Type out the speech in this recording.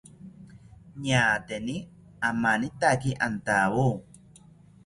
Ñaateni amanitaki antawo